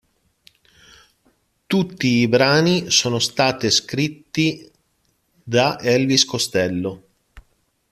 Tutti i brani sono state scritti da Elvis Costello.